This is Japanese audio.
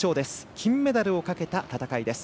金メダルをかけた戦いです。